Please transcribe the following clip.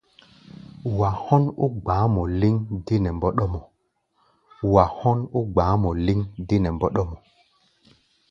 Wa hɔ́n ó gba̧á̧ mɔ lɛ́ŋ dé nɛ mbɔ́ɗɔ́mɔ.